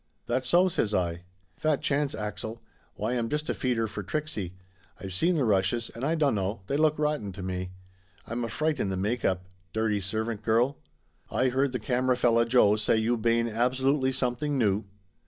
"That so?" says I. "Fat chance, Axel! Why, I'm just a feeder for Trixie. I've seen the rushes, and I dunno they look rotten to me. I'm a fright in the make up. Dirty servant girl." "Ay heard the camera feller, Joe, say you bane absolutely something new."